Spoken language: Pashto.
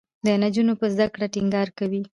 د نجونو په زده کړه ټینګار کوي.